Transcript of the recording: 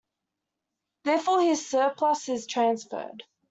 Therefore his surplus is transferred.